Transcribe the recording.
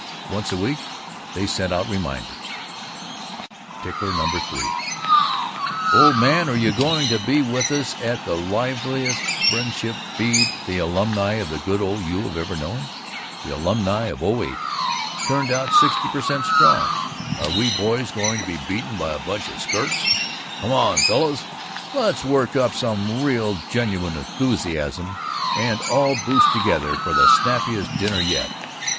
Once a week they sent out reminders: TICKLER NO. 3 Old man, are you going to be with us at the livest Friendship Feed the alumni of the good old U have ever known? The alumnæ of '08 turned out 60% strong. Are we boys going to be beaten by a bunch of skirts? Come on, fellows, let's work up some real genuine enthusiasm and all boost together for the snappiest dinner yet!